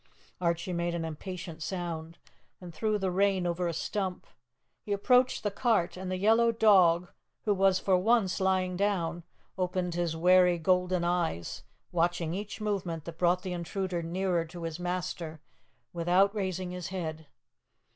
Archie made an impatient sound and threw the rein over a stump. He approached the cart, and the yellow dog, who was for once lying down, opened his wary golden eyes, watching each movement that brought the intruder nearer to his master without raising his head.